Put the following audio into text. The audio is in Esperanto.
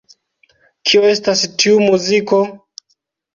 Kio estas tiu muziko?